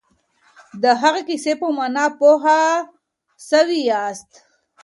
د هغې کیسې په مانا پوه سواست؟